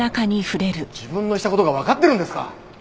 自分のした事がわかってるんですか？